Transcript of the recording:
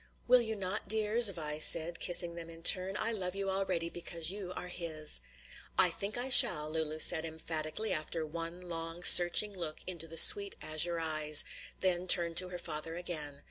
"Will you not, dears?" Vi said, kissing them in turn. "I love you already because you are his." "I think I shall," Lulu said emphatically, after one long, searching look into the sweet azure eyes; then turned to her father again.